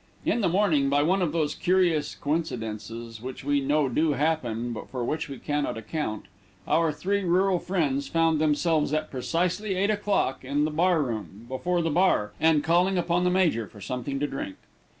In the morning, by one of those curious coincidences which we know do happen, but for which we cannot account, our three rural friends found themselves, at precisely eight o'clock, in the bar room, before the bar, and calling upon the major for something to drink.